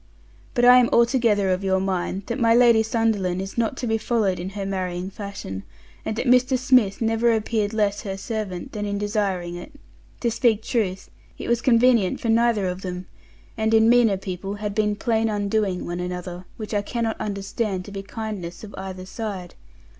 But I am altogether of your mind, that my Lady Sunderland is not to be followed in her marrying fashion, and that Mr. Smith never appear'd less her servant than in desiring it; to speak truth, it was convenient for neither of them, and in meaner people had been plain undoing one another, which I cannot understand to be kindness of either side.